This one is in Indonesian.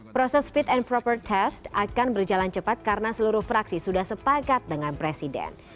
proses fit and proper test akan berjalan cepat karena seluruh fraksi sudah sepakat dengan presiden